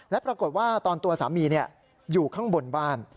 และปรากฏว่าตอนตัวสามีอยู่ข้างบนบ้าน